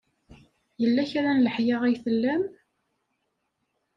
Yella kra n leḥya ay tlam?